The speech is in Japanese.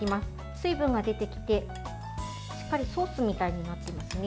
水分が出てきて、しっかりソースみたいになっていますね。